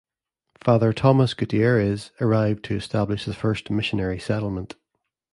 Father Tomas Gutierez arrived to establish the first missionary settlement.